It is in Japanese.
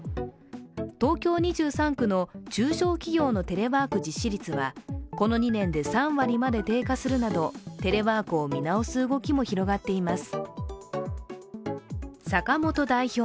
東京２３区の中小企業のテレワーク実施率はこの２年で３割まで低下するなどテレワークを見直す動きも広がっています。